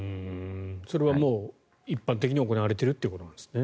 それはもう一般的に行われているということなんですね。